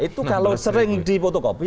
itu kalau sering dipotokopi